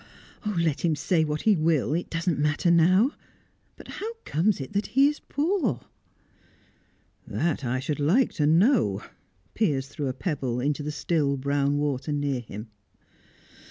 "Let him say what he will; it doesn't matter now. But how comes it that he is poor?" "That I should like to know." Piers threw a pebble into the still, brown water near him.